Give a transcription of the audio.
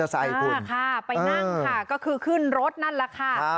ใช่ค่ะไปนั่งค่ะก็คือขึ้นรถนั่นแหละค่ะ